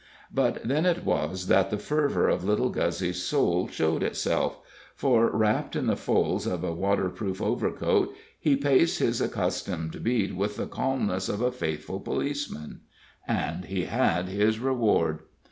But then it was that the fervor of little Guzzy's soul showed itself; for, wrapped in the folds of a waterproof overcoat, he paced his accustomed beat with the calmness of a faithful policeman. And he had his reward.